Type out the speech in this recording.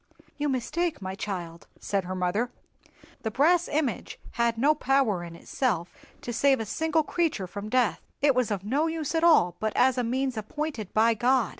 "You mistake, my child," said her mother. "The brass image had no power in itself to save a single creature from death; it was of no use at all but as a means appointed by God.